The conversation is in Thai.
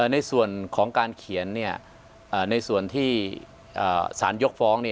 ในส่วนของการเขียนในส่วนที่สารยกฟ้อง